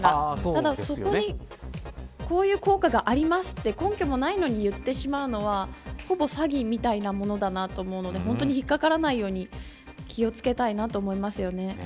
ただ、そこに、こういう効果がありますという根拠もないのに言ってしまうのはほぼ詐欺みたいなものだなと思うので、本当に引っかからないように気を付けたいなと思いますよね。